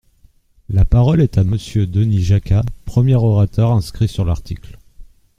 La parole est à Monsieur Denis Jacquat, premier orateur inscrit sur l’article.